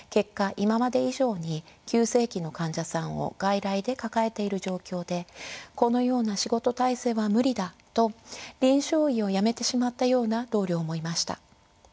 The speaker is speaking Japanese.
今まで以上に急性期の患者さんを外来で抱えている状況でこのような仕事体制は無理だと臨床医を辞めてしまったような同僚もいました。